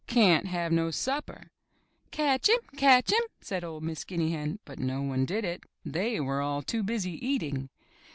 Cyan't have no supper!" Catch him! Catch him!" said 01' Miss Guinea Hen, but no one did it. They were all too busy eating.